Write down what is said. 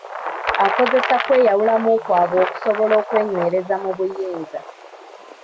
Akozesa kweyawulamu kwabwe okusobola okwenywereza mu buyinza.